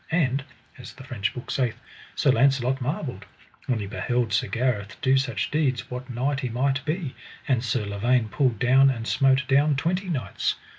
And, as the French book saith, Sir Launcelot marvelled; when he beheld Sir Gareth do such deeds, what knight he might be; and Sir Lavaine pulled down and smote down twenty knights.